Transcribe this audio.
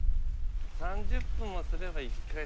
３０分もすれば一回